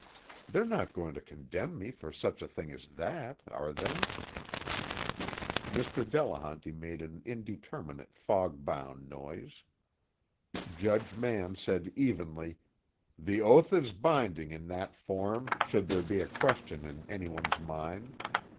They're not going to condemn me for such a thing as that. Are they?_ Mr. Delehanty made an indeterminate fogbound noise. Judge Mann said evenly: "The oath is binding in that form should there be a question in anyone's mind.